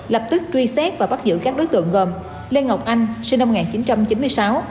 lập tức truy xét và bắt giữ các đối tượng gồm lê ngọc anh sinh năm một nghìn chín trăm chín mươi sáu